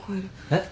えっ？